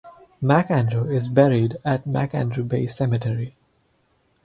Macandrew is buried at Macandrew Bay Cemetery.